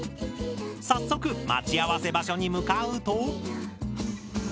早速待ち合わせ場所に向かうと。